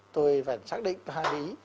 tôi phải xác định hai lý